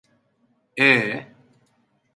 Ee...